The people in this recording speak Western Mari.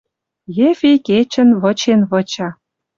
Ефи кечӹнь вычен-выча.